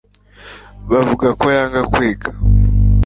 bavuga ko yanga kwiga